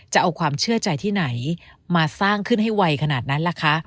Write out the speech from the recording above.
จะเอาความเชื่อใจที่ไหนมาสร้างขึ้นให้ไวขนาดนั้นล่ะคะ